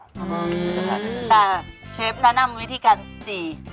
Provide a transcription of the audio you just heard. แต่เชฟแนะนำวิธีการจี่